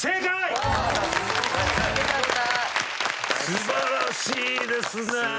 素晴らしいですね。